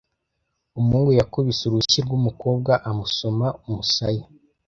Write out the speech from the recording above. Umuhungu yakubise urushyi rwumukobwa amusoma umusaya.